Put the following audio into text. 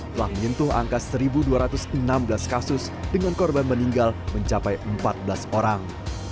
telah menyentuh angka satu dua ratus enam belas kasus dengan korban meninggal mencapai empat belas orang